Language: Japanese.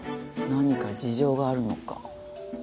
何か事情があるのか。